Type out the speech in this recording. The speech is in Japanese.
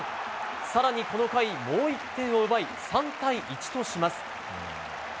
更に、この回もう１点を奪い３対１とします。